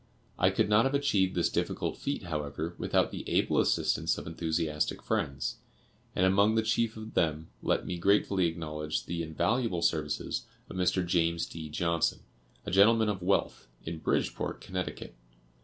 I could not have achieved this difficult feat, however, without the able assistance of enthusiastic friends, and among the chief of them let me gratefully acknowledge the invaluable services of Mr. James D. Johnson, a gentleman of wealth, in Bridgeport, Connecticut.